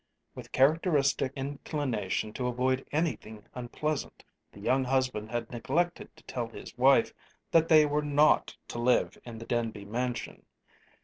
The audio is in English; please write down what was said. With characteristic inclination to avoid anything unpleasant, the young husband had neglected to tell his wife that they were not to live in the Denby Mansion.